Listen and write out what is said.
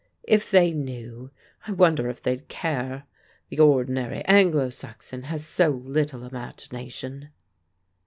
If they knew, I wonder if they'd care? The ordinary Anglo Saxon has so little imagination!"